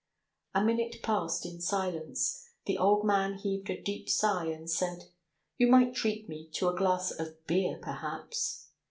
A minute passed in silence. The old man heaved a deep sigh and said: "You might treat me to a glass of beer perhaps."